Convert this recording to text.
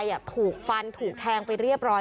เพราะถูกทำร้ายเหมือนการบาดเจ็บเนื้อตัวมีแผลถลอก